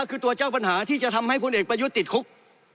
ก็คือตัวเจ้าปัญหาที่จะทำให้พลเอกประยุทธ์ติดคุก